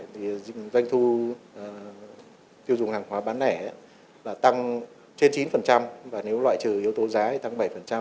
thì doanh thu tiêu dùng hàng hóa bán lẻ là tăng trên chín và nếu loại trừ yếu tố giá thì tăng bảy